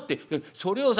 それをさ」。